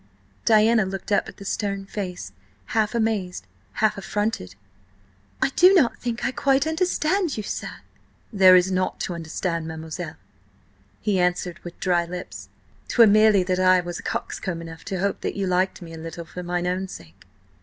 Diana looked up at the stern face, half amazed, half affronted. "I do not think I quite understand you, sir." "There is nought to understand, mademoiselle," he answered with dry lips. "'Twere merely that I was coxcomb enough to hope that you liked me a little for mine own sake."